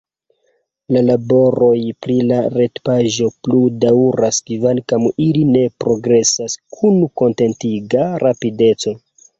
La laboroj pri la retpaĝo plu daŭras, kvankam ili ne progresas kun kontentiga rapideco.